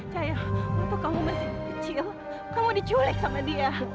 cahaya bapak kamu masih kecil kamu diculik sama dia